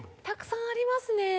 たくさんありますね。